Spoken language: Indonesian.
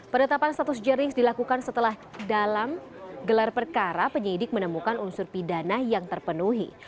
penetapan status jerings dilakukan setelah dalam gelar perkara penyidik menemukan unsur pidana yang terpenuhi